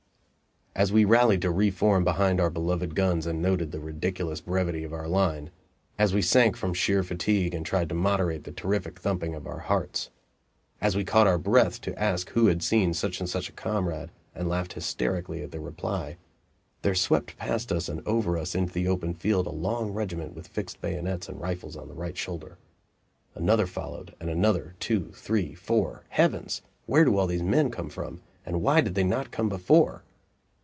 As we rallied to reform behind our beloved guns and noted the ridiculous brevity of our line as we sank from sheer fatigue, and tried to moderate the terrific thumping of our hearts as we caught our breath to ask who had seen such and such a comrade, and laughed hysterically at the reply there swept past us and over us into the open field a long regiment with fixed bayonets and rifles on the right shoulder. Another followed, and another; two three four! Heavens! where do all these men come from, and why did they not come before?